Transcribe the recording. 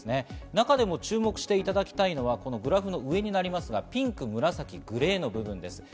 中でも注目していただきたいのは、このグラフの上になりますが、ピンク、紫、グレーの部分です。